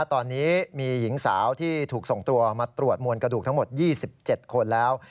ตอนนี้มีหญิงสาวที่ถูกส่งตัวมาตรวจมวลกระดูกทั้งหมด๒๗คนแล้ว